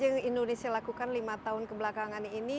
apa saja yang indonesia lakukan lima tahun kebelakangan ini